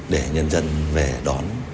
để nhân dân về đón